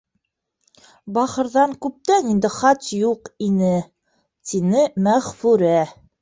Бахырҙан күптән инде хат юҡ ине, — тине Мәғфүрә.